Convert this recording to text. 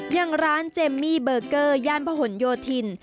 อย่างร้านเจมมี่เบอร์เกอร์ย่านพหนโยธิน